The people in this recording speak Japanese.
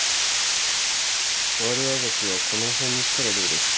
悪あがきはこの辺にしたらどうですか。